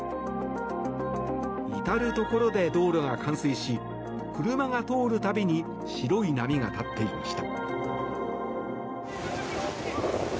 至るところで道路が冠水し車が通る度に白い波が立っていました。